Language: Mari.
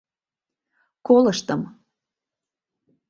Колыштым